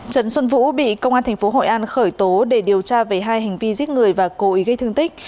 trần xuân vũ bị công an tp hội an khởi tố để điều tra về hai hành vi giết người và cố ý gây thương tích